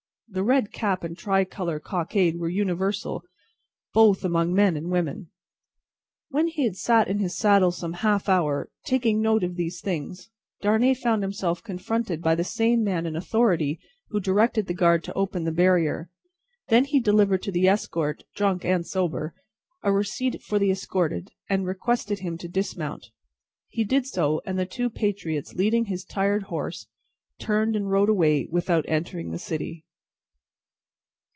The red cap and tri colour cockade were universal, both among men and women. When he had sat in his saddle some half hour, taking note of these things, Darnay found himself confronted by the same man in authority, who directed the guard to open the barrier. Then he delivered to the escort, drunk and sober, a receipt for the escorted, and requested him to dismount. He did so, and the two patriots, leading his tired horse, turned and rode away without entering the city.